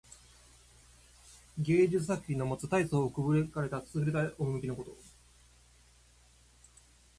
芸術作品のもつたいそう奥深くすぐれた趣のこと。